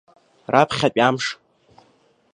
Раԥхьатәи амш.